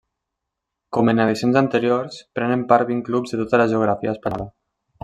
Com en edicions anteriors, prenen part vint clubs de tota la geografia espanyola.